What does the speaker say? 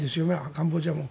カンボジアも。